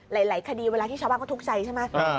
หลายคดีเวลาที่ชาวบ้านเขาทุกข์ใจใช่ไหม